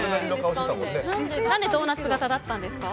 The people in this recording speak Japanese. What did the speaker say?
なぜドーナツ形だったんですか？